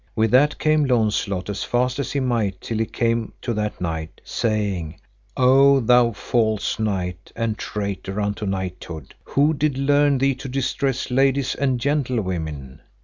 With that came Launcelot as fast as he might till he came to that knight, saying, O thou false knight and traitor unto knighthood, who did learn thee to distress ladies and gentlewomen?